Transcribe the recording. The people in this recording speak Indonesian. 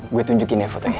gue tunjukin ya fotonya